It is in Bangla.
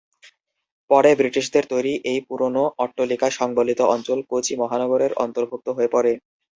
পরে ব্রিটিশদের তৈরি এই পুরোনো অট্টালিকা সংবলিত অঞ্চল কোচি মহানগরের অন্তর্ভুক্ত হয়ে পড়ে।